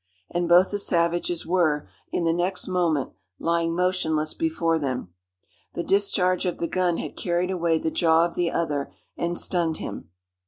and both the savages were, in the next moment, lying motionless before them. The discharge of the gun had carried away the jaw of the other, and stunned him.